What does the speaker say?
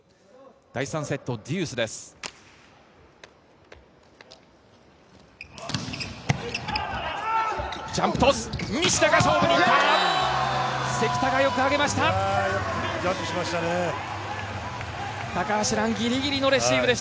第３セット、デュースです。